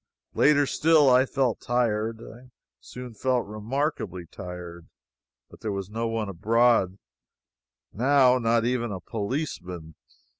Later still, I felt tired. I soon felt remarkably tired. But there was no one abroad, now not even a policeman.